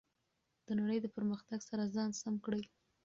د نړۍ د پرمختګ سره ځان سم کړئ.